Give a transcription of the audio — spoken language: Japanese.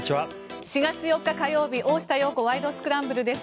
４月４日、火曜日「大下容子ワイド！スクランブル」です。